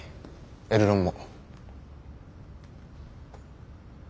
エルロンも。